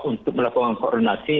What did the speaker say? untuk melakukan koordinasi